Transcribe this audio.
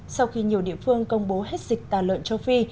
sau khi nhiều địa phương công bố hết dịch tà lợn châu phi